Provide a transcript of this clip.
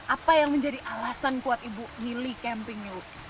apa yang menjadi alasan kuat ibu milih camping yuk